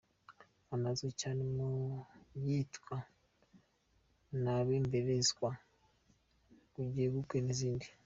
Anazwi cyane mu yitwa “Nabembelezwa”, “Gubegube” n’izindi.